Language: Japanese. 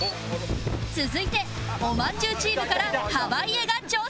続いておまんじゅうチームから濱家が挑戦